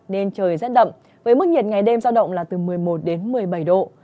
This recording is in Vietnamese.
nên trời rét đậm với mức nhiệt ngày đêm giao động là từ một mươi một đến một mươi bảy độ